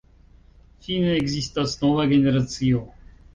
Fine ekzistas nova generacio.